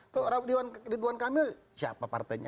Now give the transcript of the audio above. kok dewan kamil siapa partainya